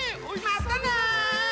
またね！